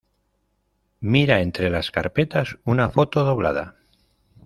mira entre las carpetas una foto doblada.